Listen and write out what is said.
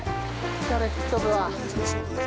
疲れ吹き飛ぶわ。